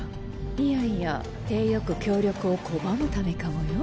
いやいや体よく協力を拒むためかもよ。